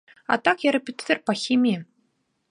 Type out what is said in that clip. А так я рэпетытар па хіміі.